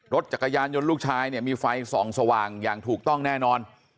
รถจักรยานยนต์ลูกชายเนี่ยมีไฟส่องสว่างอย่างถูกต้องแน่นอน